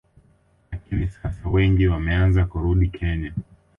Lakini sasa wengi wameanza kurudi Kenya